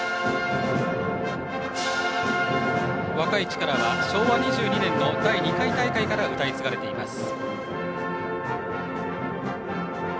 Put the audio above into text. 「若い力」は昭和２２年の第２回大会から歌い継がれています。